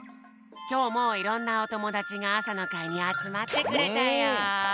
きょうもいろんなおともだちが朝の会にあつまってくれたよ。